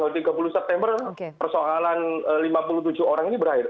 tanggal tiga puluh september persoalan lima puluh tujuh orang ini berakhir